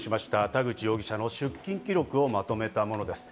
田口容疑者の出金記録をまとめたものです。